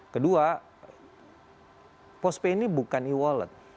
kedua postpay ini bukan e wallet